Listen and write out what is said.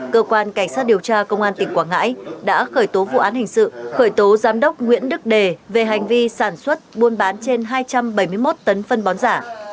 cơ quan cảnh sát điều tra công an tỉnh quảng ngãi đã khởi tố vụ án hình sự khởi tố giám đốc nguyễn đức đề về hành vi sản xuất buôn bán trên hai trăm bảy mươi một tấn phân bón giả